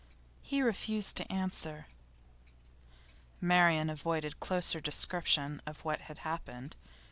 'He refused to answer.' Marian avoided closer description of what had happened.